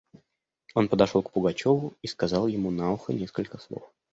Он подошел к Пугачеву и сказал ему на ухо несколько слов.